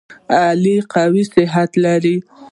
علي قوي صحت لري.